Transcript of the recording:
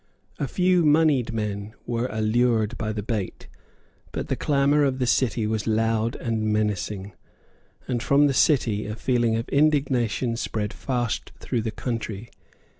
A few moneyed men were allured by the bait; but the clamour of the City was loud and menacing; and from the City a feeling of indignation spread fast through the country.